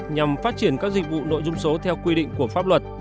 nhằm phát triển các dịch vụ nội dung số theo quy định của pháp luật